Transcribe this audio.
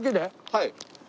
はい。